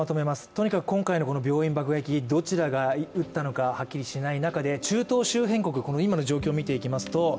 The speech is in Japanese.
とにかく今回の病院爆撃、どちらが撃ったのかはっきりしない中で、中東周辺国、今の状況を見ていきますと